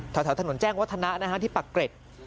แถวถนนแจ้งวัฒนะที่ปักเกร็ด